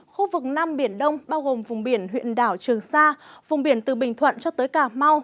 khu vực nam biển đông bao gồm vùng biển huyện đảo trường sa vùng biển từ bình thuận cho tới cà mau